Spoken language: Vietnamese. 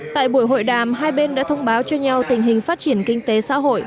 tại buổi hội đàm hai bên đã thông báo cho nhau tình hình phát triển kinh tế xã hội